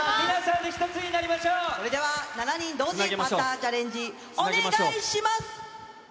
それでは、７人同時パターチャレンジ、お願いします！